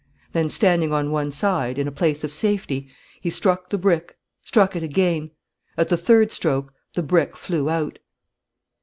Then, standing on one side, in a place of safety, he struck the brick, struck it again. At the third stroke the brick flew out.